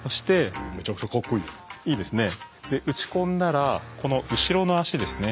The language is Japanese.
打ち込んだらこの後ろの足ですね